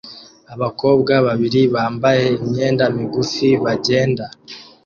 Abakobwa babiri bambaye imyenda migufi bagenda